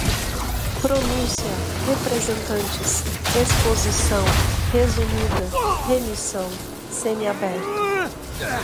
pronuncia, representantes, exposição resumida, remição, semi-aberto